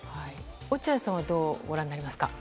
落合さんはどうご覧になりますか。